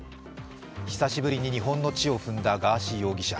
久しぶりに日本の地を踏んだガーシー容疑者。